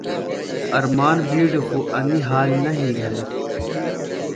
ارمان بِیڈیۡ خُوۡ انیۡ حال نہ یھی گھرے۔